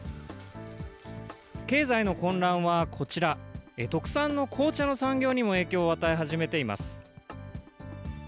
経済の混乱はこちら、特産の紅茶の産業にも影響を与え始めています。